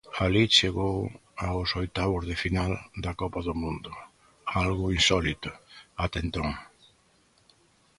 Alí chegou aos oitavos de final da copa do mundo, algo insólito até entón.